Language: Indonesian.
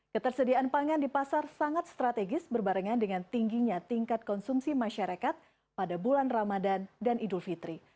ketersediaan pangan di pasar sangat strategis berbarengan dengan tingginya tingkat konsumsi masyarakat pada bulan ramadan dan idul fitri